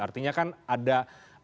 artinya kan ada